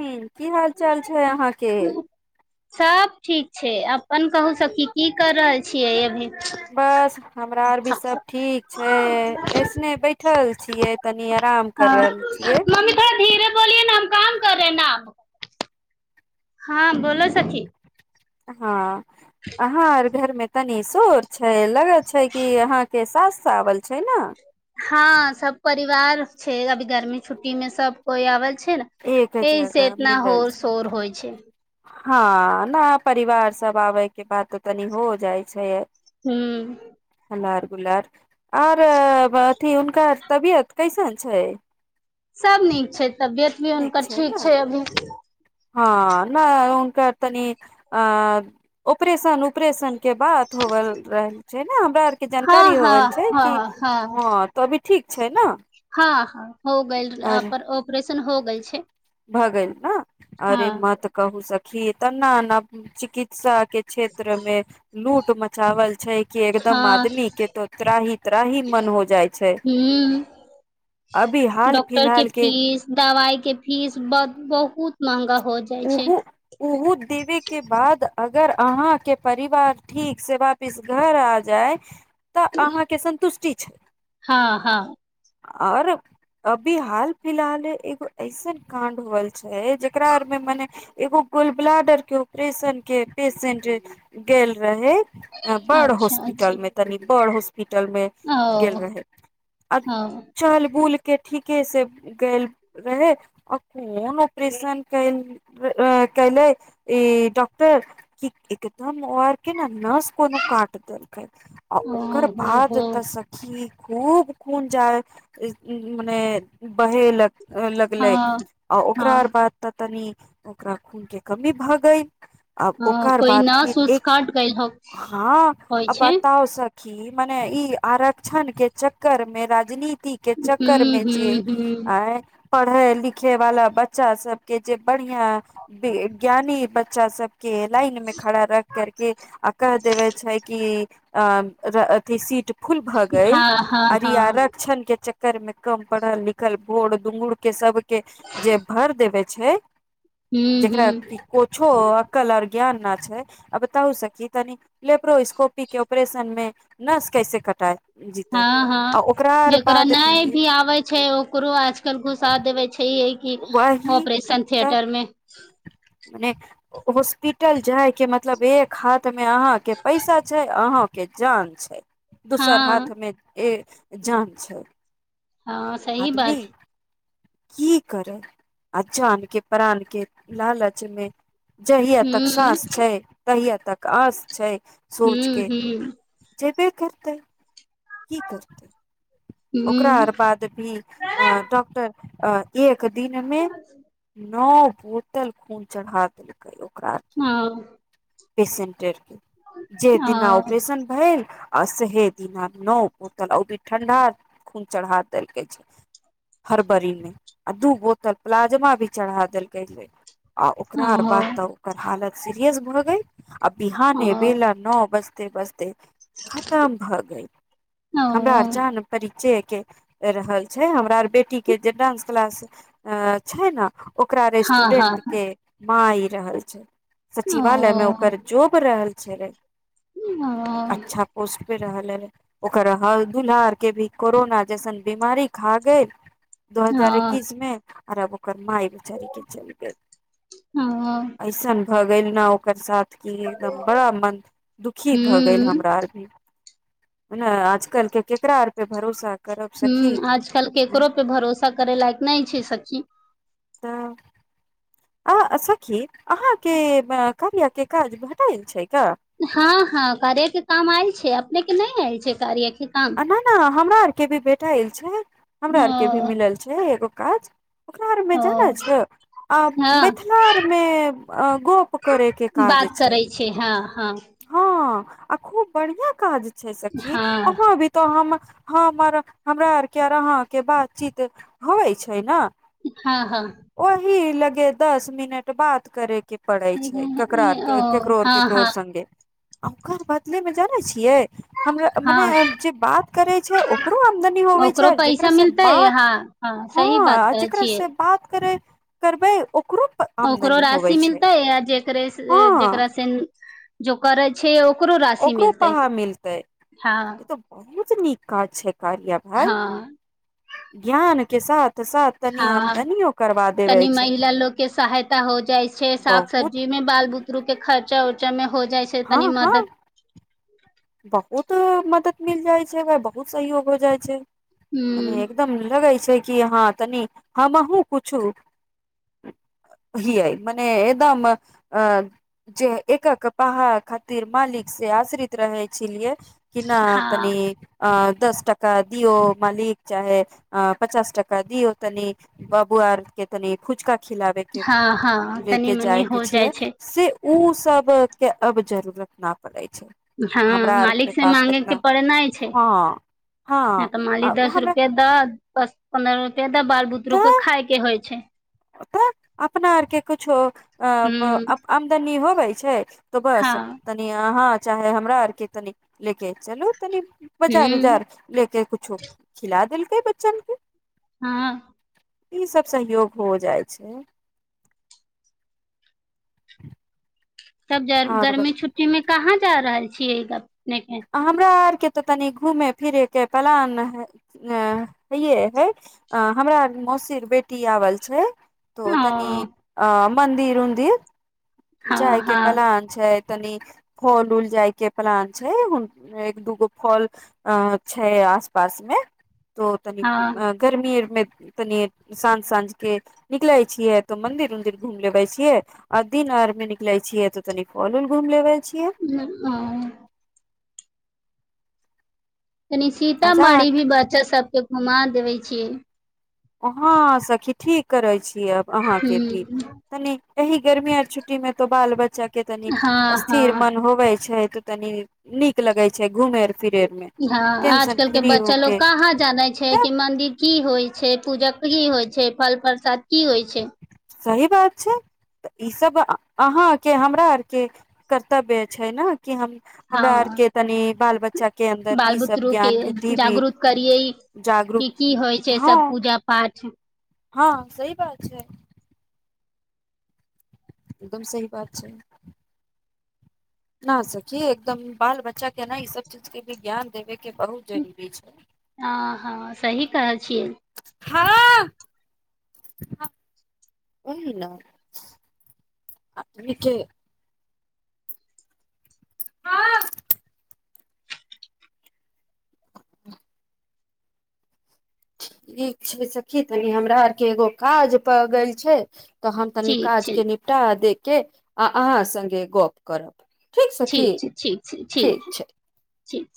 हुँ की हाल चाल छै अहाँके सब ठीक छै अपन कहू सब की की कर रहल छियै अभी बस हमरा आर भी सब ठीक छै ऐसने बैठल छियै तनी आराम कर हँ रहल छियै मम्मी तोड़ धीरे बोलियए न हम काम कर रहेै नाम हँ बोलो सखी हँ आहाँर घरमें तनीसोर छै लगत छै कि अहाँ के सास चावल छै ने हँ सब परिवार छै अभी गर्मी छुट्टी में सब कोई आवल छै एक ने एसे जगह एतना मिलल होर छै शोर होइ छै हँ ने परिवार सब आबे के बाद तऽ तनि हो जाइ छै हू बड़ा दुलार आओर बथी कार तबियत कैसन छै सब नीक छै तबियत भी नीक हुनकर ठीक ने छै अभी हँ नहि ओनक तनि अ उपरेशन उपरेशन के बात होवल रहल छै ने हमरा आर के हँ जानकारी हँ होवल छै हँ कि हँ त अभी ठीक छै ने हँ हँ हो गेल आर ओकर तन हो गेल छै भऽ गेलल ने अरे हँ मत कहू सखी तऽ न न चिकित्सा के क्षेत्र मे लूट धुम मचावल छै कि एकदम हँ आदमी के तऽ त्राहि त्राहि मन हो जाइ छै हूँ अभी हाल डॉक्टर फिलहाल के फीस दवाई के फीस ब बहुत महंगा हो जाइ छै ओहो देवे के बाद अगर अहा के परिवार ठीक से वापिस घर आ जाय तऽ अहाँके संन्तुष्टि [unintelligible] हँ हँ आओर अभी हाल फिलहाल एगो ऐसन कांड होल छै जेकरा मे मने एगो गोल ब्लाडर के ऑपरेशन के पेशेंट गेल रहे बड़ अच्छा हॉस्पिटल अच्छा मे तनी बड़ हास हॉस्पिटल मे गेल ओ रहे आ ओ चल बूल के ठीके से गेल रहे आ कोन ऑपरेशन कयल कयलक ई डॉक्टर कि एकदम ओ आर के न नस कोनो काट देलकै आ ओकर ओ बाद हो तऽ सखी खूब खून जाइ मने बहेलक लगले हँ आ हँ ओकरा बाद तनी ओकरा खून के कमी भऽ गई आब हँ ओकर कोइ बाद न फिर एक सुसकट गइल हो हँ होइ आ छै बताउ स खी मने ई आरक्षण के चक्कर मे राजनीति तीके हूँ चकरमे हूँ जे हूँ आंए पढ़े लिखे वाला बच्चा सब के जे बढ़िया वि ज्ञानी बच्चा सब के लाइन मे खड़ा रख करके आ कह देवे छै कि अ अथी सीट फूल भऽ गइल हँ हँ आर ई हँ आरक्षण के चक घरमें कम पढ़ल लिखल भोर दूंगुड़ के सब के जे भर देबय छै हूँ जेकरा हूँ कुछो अकल आर ज्ञान ना छै आ बताउ सखी तनी लेब्रोस्कोपी के ऑपरेशन मे नस कैसे कटाइ हँ हँ जेकरा नहि भी आबे छै ओकरो आजकल घुसा देबे छै वही ऑपरेशन तब थथिएटर मे हॉस्पिटल जाइ कि मतलब एक हा मे अहा के पैसा छै अहा के जान छै दूसर हँ हाथमे ए जान छै हँ सही आदमी बात की करै अजान के प्राण के लालचमे जहिय तक हूँ सांस छै तहिया तक तक आश छै हू सोच के हू जेबे करतै की करते ओकरा हुं बाद भी डॉक्टर अ गेल क दिनमे नओ बोतल खूचल हादिल कर हुँ पेसेंटेड जे दिना ऑपरेशन भेल आ सहे दिना नओ बोतल अ भी ठंडा खून चढ़ा देलक छै फरवरी मे आ दू बोतल प्लाज्ममा भी चढ़ा देलक छै आ ओकरा आर बात तऽ ओकर हालत सिरियस भ गेल ह विहाने भेला न बजे त बस ते खतम भऽ गय हमरा अर जान परिचय के रहल छै हमरा आर बेटी के जे डानंस क्लास अ छै ने ओकरा रेस्टूडेंट आजकल के माय रहल छै सचिवालय मे वो कर्जजो मे रहल से ह ह रहल ह ओकर हर दुल्हार के भी कोरोना जैसन बीमारी खा गेल दू हजार एकैस मे आराब कर माय विचारी के चल गेल ऐसन भऽ गेल न ओकर साथ क एकदम बड़ा मन दुखी भऽ गेल हमरा आर भी आजकल के ककरा आर पे भरोसा करब सखी ह आजकल केकरो पे भरोसा करै लायक नहि छै सखी तऽ अ सखी अहाँके कार्या के काज भेटाएल छै का हँ हँ करेके काम आयल छै अपने नहि आयल छै कार्य के काम आ ना ना हमरा आर के भी बेटा आयल छै हमरा आरके भी हँ मिलल छै एगो काज ओकरा आरमे जानै हँ छ आ हँ मिथिला आरमे गप करैके काज बात छै करै हँ हँ हँ आ खूब बढ़िया काज सखी हँ अहाँ अ भी तऽ हम हम आर हमरा आर के आ अहाँके बातचीत होवइ छै ने हँ हँ ओहि लगे दस मिनट बात करेग के पड़े छै केकर आ केकरो हँ केकरो हँ सगे हम घर बदले मे जानै छी ये हमरा हँ मने जे बात करै छै ओकरो आमदनी होवे ओकरो छै पैसा जेकरास से मिलतै बात हँ हँ सही बात कहै जेकरास छियै से बात करे करबै ओ ओकरो राशि मिलता है य जेकर हँ जेकरास से जो करै छै ओकरो राशि ओकरो मिलतै पहा मिलतै हँ ई तऽ बहुत नीक काज छै कारिया भाय हँ ज्ञान के साथ साथ तनी हँ आमदनियो करबा देवे तनि छै महिला लोग के सहायता हो जाइ छै साग बहुत सब्जी मे बाल बू बुदरूके खर्चा उर्चा मे हो जाइ छै हँ तनी हँ मदद बहुत मदद मिल जाइ छै भाय बहुत सहयोग हो जाइ छै मने हूँ एकदम लगैय छै क हँ तनी हमे ह पूछु ही मने एकदम अ जे एकक पहा खातिर मालिक से आश्रित रहै छलियए केना हँ तनी अ दस टका दियौ मालिक चाहे अ पचास टाका दियौ तनि बाबुआ आर के तनि फुचका खिलाबे के हँ हँ तनी लेके मनी जाइके हो जाइ छियै छै से उ सब के अब जरूरत न पड़य छै हँ हमरा आर मालिक के से पास मांगे के एतना पड़य ना छै हँ हँ नहि तऽ मालिक आ दस हमरा रुपया दऽ दस पन्द्रह ज्यादा बाल बुदरू के तऽ खाय के होइ छै तऽ अपना आरके कुछो अ हूँ आमदानी हो होबै छै तऽ बस हँ तनी अहाँ चाहे हमरा आर के तनी लेके चलू तनी बजार हूँ उजार लेके कुछो खिला देल के बच्चन के हँ ई सब सहयोग हो जाइ छै तब ज आओर गर्मी छुट्टी में कहाँ जा रहल छै छियै ग हमरा आर के तऽ तनि घूमे फिरे के प्लान हेे हे हमरा आर के मौसीके बेटी आवल छै तै ओ तनी अ मन्दिर उन्दिर हँ जाइके हँ प्लान छै तनी फल उल जाय के प्लान छै एक दूगो फल अ छै आस पास मे तो तनी हँ गर्मी आर मे तनि साँझ साँझ के निकलै छियै तऽ मंदिर उन्दिर घूम लेबे छियै आ दिन आर में निकले छियै तऽ तनी फल उल घुम लेबे छियै ह ओ कनि आ सीतामढ़ी जाट भी बच्चा सबके घुमा देबै छियै हँ सखी ठीक करै छी अहाँके भी हूँ तनी एहि गर्मी आ छु्टीमे तो बाल बच्चा के तनि हँ स्थिर हँ मन होवे छै त तनी नीक लगे छै घूमे फिरे मे हँ टेंशन आजकल के फ्री बच्चा लोग होके कहाँ जानै छै तऽ कि मंदिर की होइ छै पूजा की होइ छै फल प्रसाद की होइ छै सही बात छै तऽ ई सब अहाँके हमरा आरके कर्तव्य छै ने कि हम हमरा आर हँ के तनि बाल बच्चा बाल बुतरू के जागरूत करियै जागरूक कि की होइ छै हँ सब पूजा पाठ हँ सही बात छै एकदम सही बात छै न सखी एकदम बाल बच्चा के ने ई सब चीज के भी ज्ञान देबेके बहुत जरूरी छै हँ हँ सही कहै छियै हाँ अपनी के हाँ ठीक छै सखी तनी हमरा आरके एगो काज प गेल गेल छै त हम तनी ठीक काज छै के निपटा दे के अहाँ सगे गप करब ठीक छै ठीक छै ठीक छै ठीक